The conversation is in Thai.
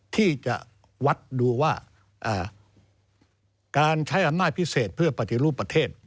ที่จะวัดดูว่าการใช้อำนาจพิเศษเพื่อปฏิรูปประเทศ